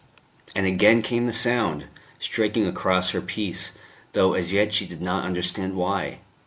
And again came the sound, striking across her peace, though as yet she did not understand why.